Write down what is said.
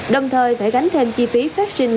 đồng thời phải gánh thêm chi phí phát sinh